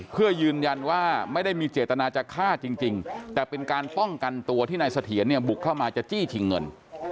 เพื่อยืนยันว่าไม่ได้มีเจตนาจะฆ่าจริงแต่เป็นการป้องกันตัวที่นายเสถียรเนี่ยบุกเข้ามาจะจี้ชิงเงิน